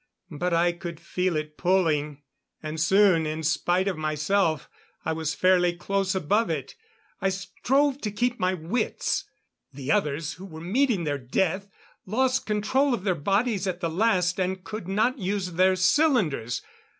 But I could feel it pulling; and soon, in spite of myself, I was fairly close above it. I strove to keep my wits. The others who were meeting their death lost control of their bodies at the last and could not use their cylinders.